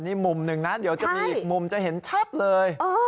นี่มุมหนึ่งนะเดี๋ยวจะมีอีกมุมจะเห็นชัดเลย